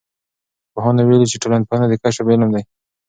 پوهانو ویلي چې ټولنپوهنه د کشف علم دی.